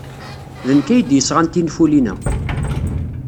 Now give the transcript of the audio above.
D nekk ay d-yesɣan tinfulin-a.